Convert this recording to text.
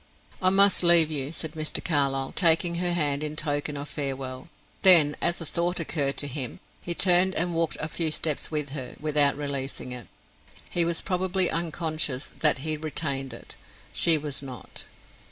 "I must leave you," said Mr. Carlyle, taking her hand in token of farewell. Then, as a thought occurred to him, he turned and walked a few steps with her without releasing it. He was probably unconscious that he retained it; she was not.